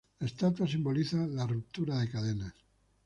La estatua simboliza la "ruptura de cadenas".